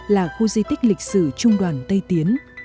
là khu di tích lịch sử trung đoàn tây tiến